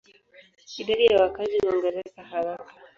Idadi ya wakazi huongezeka haraka.